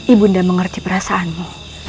ibunda mengerti perasaanmu